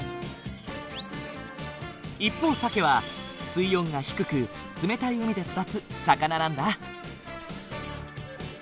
一方サケは水温が低く冷たい海で育つ魚なんだ。